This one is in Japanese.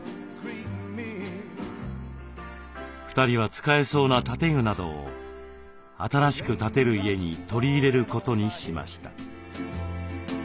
２人は使えそうな建具などを新しく建てる家に取り入れることにしました。